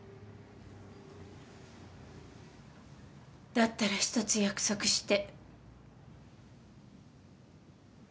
だったら一つ約束して。